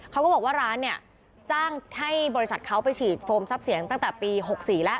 เขาก็บอกว่าร้านเนี่ยจ้างให้บริษัทเขาไปฉีดโฟมทรัพย์เสียงตั้งแต่ปี๖๔แล้ว